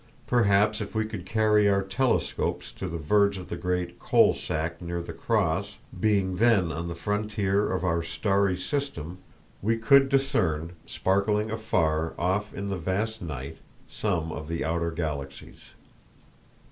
Perhaps if we could carry our telescopes to the verge of the great "Coal sack" near the "Cross," being then on the frontier of our starry system, we could discern, sparkling afar off in the vast night, some of the outer galaxies.